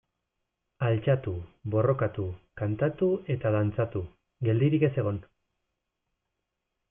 Altxatu, borrokatu, kantatu eta dantzatu, geldirik ez egon.